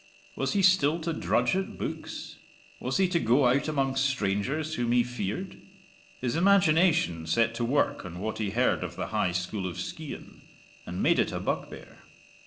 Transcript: Was he still to drudge at books? Was he to go out among strangers whom he feared? His imagination set to work on what he heard of the High School of Skeighan, and made it a bugbear.